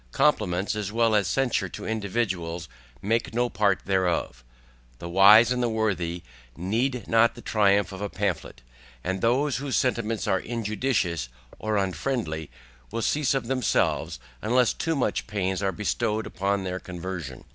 Compliments as well as censure to individuals make no part thereof. The wise, and the worthy, need not the triumph of a pamphlet; and those whose sentiments are injudicious, or unfriendly, will cease of themselves unless too much pains are bestowed upon their conversion.